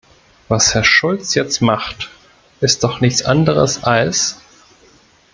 Was Herr Schulz jetzt macht, ist doch nichts anderes als...